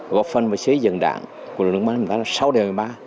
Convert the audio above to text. góp phần và xây dựng đảng của lực lượng bán hành pháp là sáu đề một mươi ba